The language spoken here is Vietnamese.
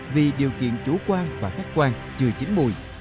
vì điều kiện chủ quan và khách quan chưa chính mùi